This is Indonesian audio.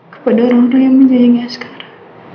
kepada orang orang yang menjajang asgara